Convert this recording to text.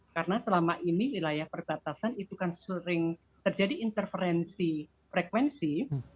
karena selama ini wilayah perbatasan itu kan sering terjadi interferensi frekuensi